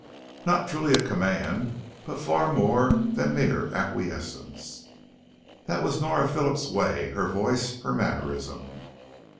_' Not truly a command, but far more than mere acquiescence. That was Nora Phillips' way, her voice, her mannerism.